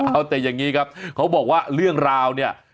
เอาแต่อย่างนี้ครับเขาบอกว่าเรื่องราวเนี่ย